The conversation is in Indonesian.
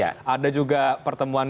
ada juga pertemuan